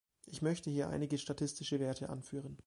Ich möchte hier einige statistische Werte anführen.